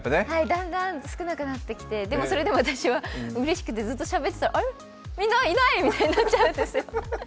だんだん少なくなってきてでもそれでも私はうれしくてずっとしゃべってたらあれ、みんないない！ってなっちゃうんですよ。